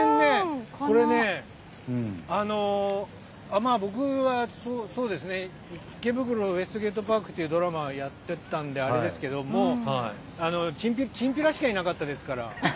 これ、僕は「池袋ウエストゲートパーク」っていうドラマをやってたんであれですがチンピラしかいなかったですから。